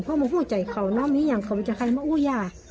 เพราะมันหัวใจเขาเนอะมีอย่างเขาวิจัยใครมะอู้ย่า